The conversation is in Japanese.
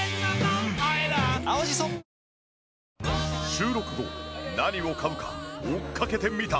収録後何を買うか追っかけてみた。